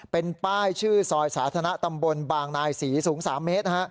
เป็นป้ายชื่อซอยสาธารณะตำบลบางนายศรีสูง๓เมตร